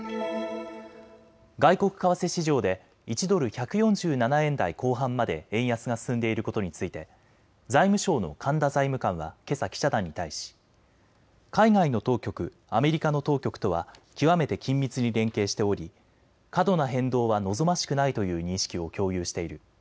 外国為替市場で１ドル１４７円台後半まで円安が進んでいることについて財務省の神田財務官はけさ記者団に対し海外の当局、アメリカの当局とは極めて緊密に連携しており過度な変動は望ましくないという認識を共有している。